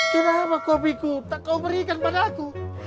kenapa kopiku tak kau berikan padaku